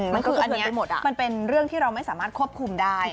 มันเป็นเรื่องที่เราไม่สามารถควบคุมได้